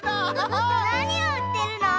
なにをうってるの？